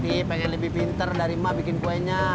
dih pengen lebih pinter dari emak bikin kuenya